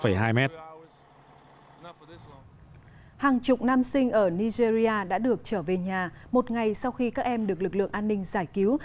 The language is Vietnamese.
hàng chục nam sinh ở nigeria đã được trở về nhà một ngày sau khi các em được lực lượng an ninh giải cứu